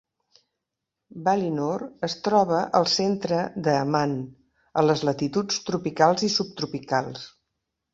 Valinor es troba al centre de Aman, a les latituds tropicals i subtropicals.